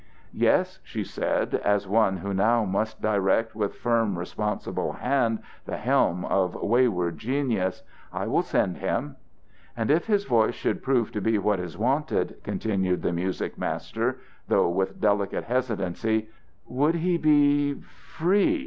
"Yes," she said as one who now must direct with firm responsible hand the helm of wayward genius, "I will send him." "And if his voice should prove to be what is wanted," continued the music master, though with delicate hesitancy, "would he be free?